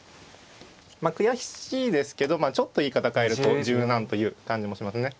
まあ悔しいですけどちょっと言い方変えると柔軟という感じもしますね。